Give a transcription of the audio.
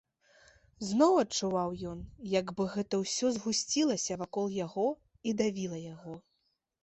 Зноў адчуваў ён, як бы гэта ўсё згусцілася вакол яго і давіла яго.